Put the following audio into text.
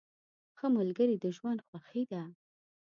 ښه ملګري د ژوند خوښي ده.